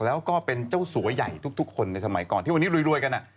แล้วก็เป็นเจ้าสัวใหญ่ทุกคนในสมัยก่อนที่วันนี้รวยกัน